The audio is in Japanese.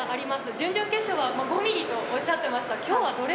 準々決勝は５ミリとおっしゃってました。